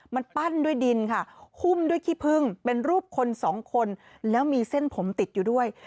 มันปั้นด้วยดินค่ะหุ้มด้วยขี้พึ่งเป็นรูปคนสองคนแล้วมีเส้นผมติดอยู่ด้วย